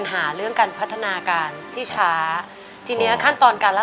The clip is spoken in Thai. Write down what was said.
แข็งรักหนูที่สุดในโลกนะ